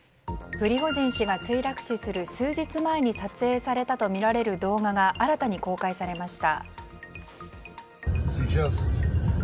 プリゴジン氏が墜落死する数日前に撮影されたとみられる動画が新たに公開されました。